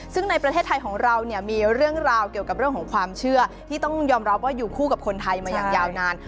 ซึ่งในประเทศไทยของเราเนี่ยมีเรื่องราวเกี่ยวกับเรื่องของความเชื่อที่ต้องยอมรับว่าอยู่คู่กับคนไทยมาอย่างยาวนาน